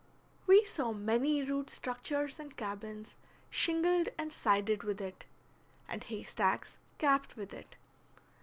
We saw many rude structures and cabins shingled and sided with it, and haystacks capped with it.